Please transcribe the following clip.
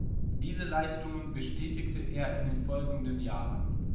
Diese Leistungen bestätigte er in den folgenden Jahren.